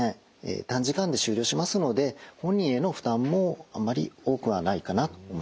短時間で終了しますので本人への負担もあんまり多くはないかなと思います。